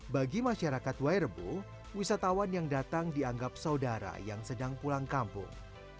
bagi masyarakat wairebo wisatawan yang datang dianggap saudara yang sedang pulang kampung